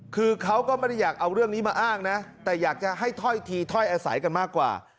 คือเขาก็ไม่ได้อยากเอาเรื่องนี้มาอ้างนะแต่อยากจะให้ถ้อยทีถ้อยอาศัยกันมากกว่า